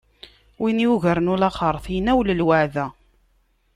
Win yurgan ulaxeṛt, iniwel lweɛda!